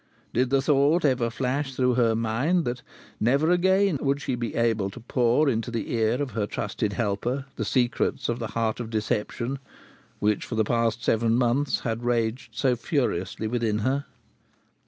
Did the thought ever flash through her mind that never again would she be able to pour into the ear of her trusted helper the secrets of the heart of deception, which, for the past seven months, had raged so furiously within her?